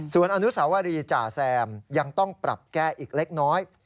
ส่วนอนุสาวรีจ่าแซมยังต้องปรับแก้อีกเล็กน้อย